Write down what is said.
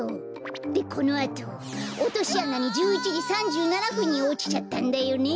でこのあとおとしあなに１１じ３７ふんにおちちゃったんだよね。